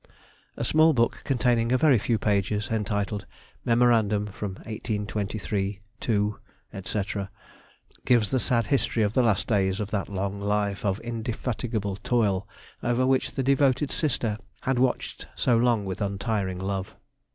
A small book, containing a very few pages, entitled "Memorandum from 1823 to," &c., gives the sad history of the last days of that long life of indefatigable toil over which the devoted sister had watched so long with untiring love.